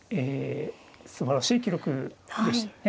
すばらしい記録でしたよね。